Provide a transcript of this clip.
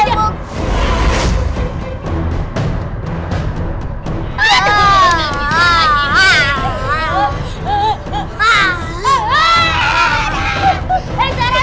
jangan lupa masukin